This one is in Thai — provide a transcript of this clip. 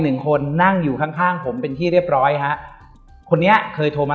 หนึ่งคนนั่งอยู่ข้างข้างผมเป็นที่เรียบร้อยฮะคนนี้เคยโทรมา